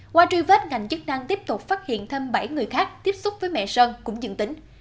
qua truy vết ngành chức năng tiếp tục phát hiện thêm bảy người khác tiếp xúc với mẹ sơn cũng dừng tính